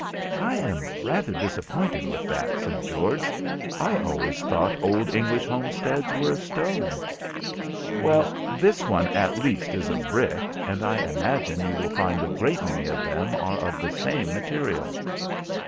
"I am rather disappointed with that," said George, "I always thought old English homesteads were of stone." "Well, this one at least is of brick, and I imagine you will find a great many of them are of the same material."